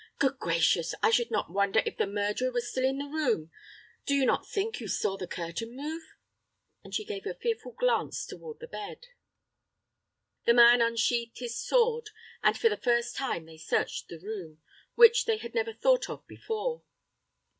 Good gracious! I should not wonder if the murderer was still in the room. Did you not think you saw the curtain move?" and she gave a fearful glance toward the bed. The man unsheathed his sword, and for the first time they searched the room, which they had never thought of before.